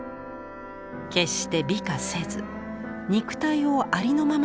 決して美化せず肉体をありのままに描く。